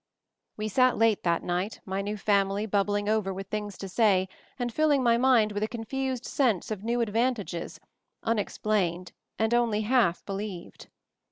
We sat late that night, my new family bubbling over with things to say, and filling my mind with a confused sense of new ad vantages, unexplained and only half be lieved.